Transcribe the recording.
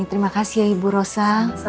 terima kasih ya ibu rosa